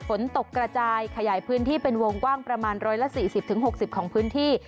ฝนตกกระจายขยายพื้นที่เป็นวงกว้างประมาณ๑๔๐๖๐ของพื้นที่